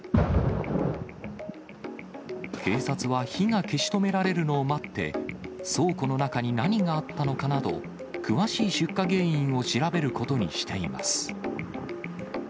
警察は火が消し止められるのを待って、倉庫の中に何があったのかなど、詳しい出火原因を調べることにしています。